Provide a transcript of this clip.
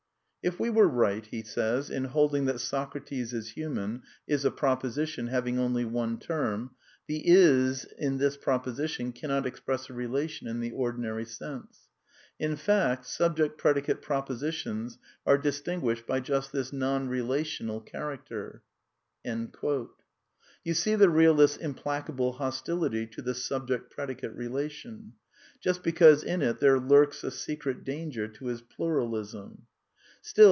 If we were right in holding that ' Socrates is human ' is a proposition having only one term, the is in this propositio cannot express a relation in the ordinary sense. In fact sub ject predicate propositions are distinguiEdied by just this non relational character." You see the realist's implacable hostility to the subject predicate relation? Just because in it there lurks a secret danger to his Pluralism.